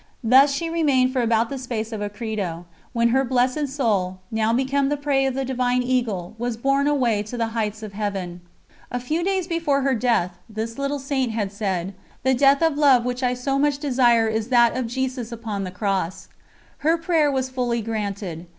Thus she remained for about the space of a Credo, when her blessed soul, now become the prey of the "Divine Eagle," was borne away to the heights of Heaven. ....... A few days before her death, this little Saint had said: "The death of Love which I so much desire is that of Jesus upon the Cross." Her prayer was fully granted.